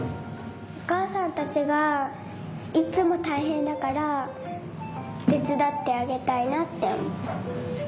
おかあさんたちがいつもたいへんだからてつだってあげたいなっておもう。